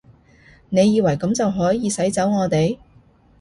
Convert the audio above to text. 你以為噉就可以使走我哋？